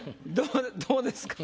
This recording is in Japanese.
どうですか？